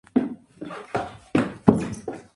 El diminutivo es "Kenny".